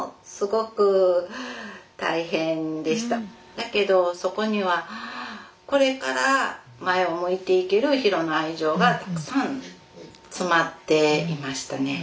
だけどそこにはこれから前を向いていけるヒロの愛情がたくさん詰まっていましたね。